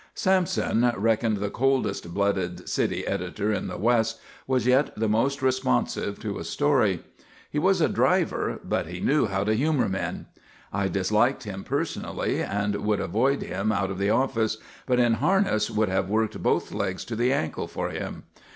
Sampson, reckoned the coldest blooded city editor in the West, was yet the most responsive to a story. He was a driver, but he knew how to humour men. I disliked him personally, and would avoid him out of the office, but in harness would have worked both legs to the ankle for him.